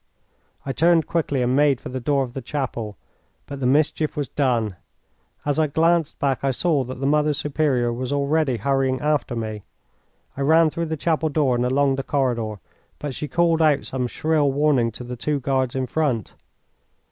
I turned quickly and made for the door of the chapel, but the mischief was done. As I glanced back I saw that the Mother Superior was already hurrying after me. I ran through the chapel door and along the corridor, but she called out some shrill warning to the two guards in front.